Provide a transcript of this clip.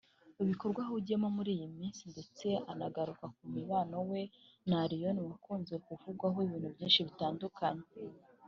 ibikorwa ahugiyemo muri iyi minsi ndetse anagaruka ku mubano we na Allioni wakunze kuvugwaho ibintu byinshi bitandukanye